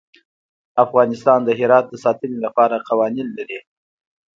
افغانستان د هرات د ساتنې لپاره قوانین لري.